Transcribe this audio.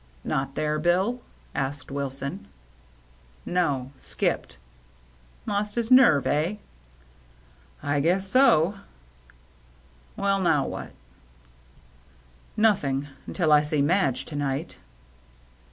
" Not there. Bill ?" asked Wilson. "No, — skipped." " Lost his nerve, eh ?"" I guess so," " Well, what now ?"" Nothing, until I see Madge to night."